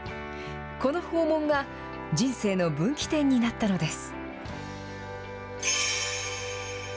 この訪問が、人生の分岐点になったのです。